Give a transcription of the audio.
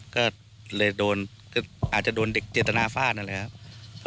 ก็เลยโดนก็อาจจะโดนเด็กเจตนาฟาดนั่นแหละครับ